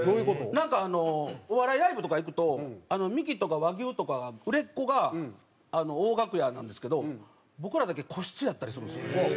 なんかあのお笑いライブとか行くとミキとか和牛とか売れっ子が大楽屋なんですけど僕らだけ個室やったりするんですよ。